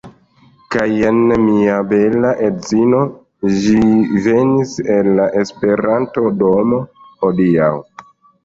Kaj jen mia bela edzino, ĝi venis al la Esperanto-domo hodiaŭ.